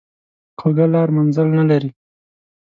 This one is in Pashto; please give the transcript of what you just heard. کوږه لار منزل نه لري